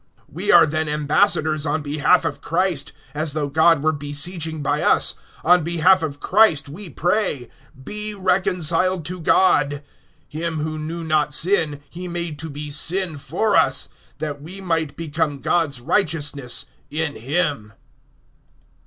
(20)We are then ambassadors on behalf of Christ[5:20], as though God were beseeching by us; on behalf of Christ we pray: Be reconciled to God! (21)Him who knew not sin he made to be sin for us, that we might become God's righteousness in him.